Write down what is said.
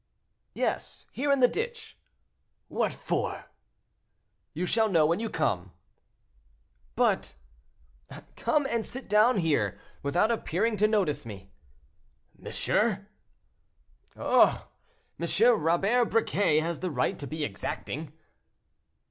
"Yes; here in the ditch." "What for?" "You shall know when you come." "But—" "Come and sit down here, without appearing to notice me." "Monsieur?" "Oh! M. Robert Briquet has the right to be exacting."